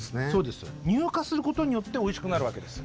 乳化することによっておいしくなるわけです。